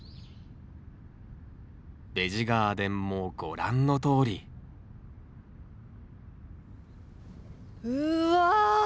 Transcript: ベジ・ガーデンもご覧のとおりうわ！